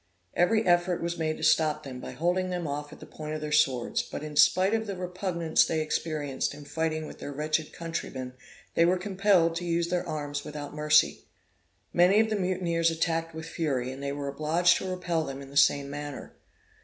Every effort was made to stop them, by holding them off at the point of their swords; but, in spite of the repugnance they experienced in fighting with their wretched countrymen, they were compelled to use their arms without mercy. Many of the mutineers attacked with fury, and they were obliged to repel them in the same manner.